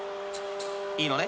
［いいのね？